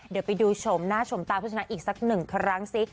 เดี๋ยวไปดูชมหน้าชมตาผู้ชนะอีกสักหนึ่งครั้งสิ